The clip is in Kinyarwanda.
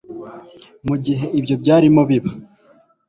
mu gihe ibyo byarimo biba